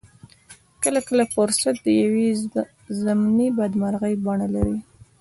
کله کله فرصت د يوې ضمني بدمرغۍ بڼه لري.